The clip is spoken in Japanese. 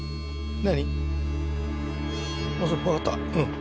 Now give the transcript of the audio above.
何？